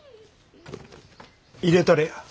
入れたれや。